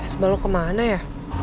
s bal lo kemana ya